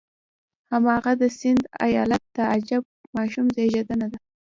هماغه د سند ایالت د عجیب ماشوم زېږېدنه ده.